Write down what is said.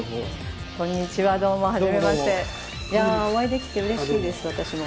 いやお会いできてうれしいです私も。